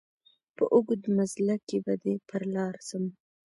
په اوږد مزله کي به دي پر لار سم